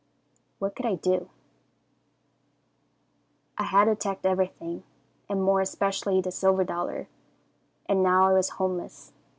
"What could I do? "I had attacked everything, and more especially the silver dollar, and now I was homeless.